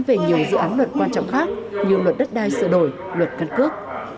về nhiều dự án luật quan trọng khác như luật đất đai sửa đổi luật căn cước